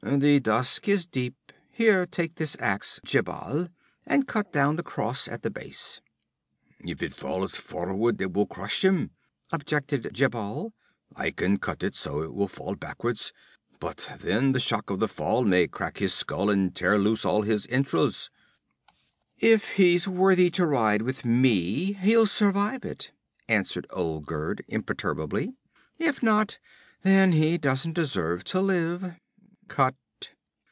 'The dusk is deep. Here, take this ax, Djebal, and cut down the cross at the base.' 'If it falls forward it will crush him,' objected Djebal. 'I can cut it so it will fall backward, but then the shock of the fall may crack his skull and tear loose all his entrails.' 'If he's worthy to ride with me he'll survive it,' answered Olgerd imperturbably. 'If not, then he doesn't deserve to live. Cut!'